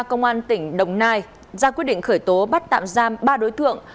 công an tỉnh đồng nai ra quyết định khởi tố bắt tạm giam ba đối tượng